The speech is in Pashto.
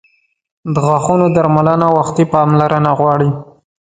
• د غاښونو درملنه وختي پاملرنه غواړي.